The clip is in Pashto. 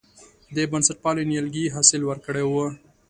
د بنسټپالنې نیالګي حاصل ورکړی و.